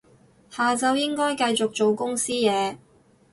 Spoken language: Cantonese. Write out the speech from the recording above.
下晝應該繼續做公司嘢